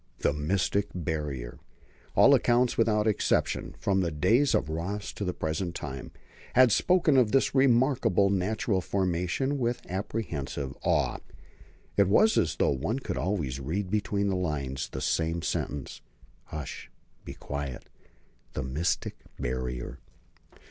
The mystic Barrier! All accounts without exception, from the days of Ross to the present time, had spoken of this remarkable natural formation with apprehensive awe. It was as though one could always read between the lines the same sentence: "Hush, be quiet! the mystic Barrier!"